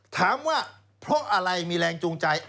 ถามว่าเพราะอะไรมีแรงจูงใจ